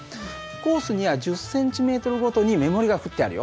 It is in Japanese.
コースには１０ｃｍごとに目盛りが振ってあるよ。